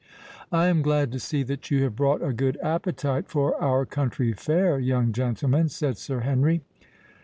"I am glad to see that you have brought a good appetite for our country fare, young gentleman," said Sir Henry.